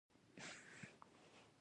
مڼې په وردګو کې مشهورې دي